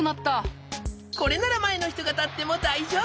これならまえのひとがたってもだいじょうぶ。